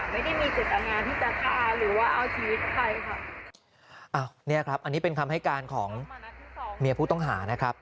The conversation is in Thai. ไม่ได้มีเจตนาที่จะฆ่าหรือว่าเอาชีวิตใครค่ะอ้าวเนี่ยครับอันนี้เป็นคำให้การของเมียผู้ต้องหานะครับ